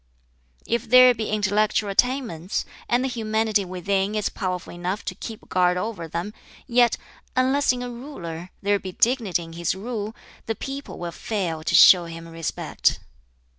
"If there be intellectual attainments, and the humanity within is powerful enough to keep guard over them, yet, unless (in a ruler) there be dignity in his rule, the people will fail to show him respect.